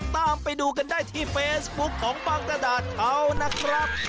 ตามไปดูกันได้ที่เฟซบุ๊คของบางกระดาษเขานะครับ